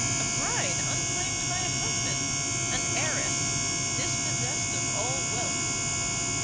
a bride, unclaimed by a husband! an HEIRESS, dispossessed of all wealth!